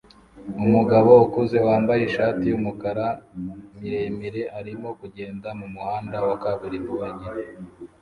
Umugabo ukuze wambaye ishati yumukara miremire arimo kugenda mumuhanda wa kaburimbo wenyine